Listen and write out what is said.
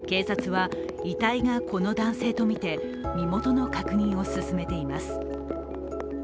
警察は、遺体がこの男性とみて身元の確認を進めています。